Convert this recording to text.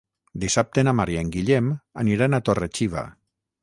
Dissabte na Mar i en Guillem aniran a Torre-xiva.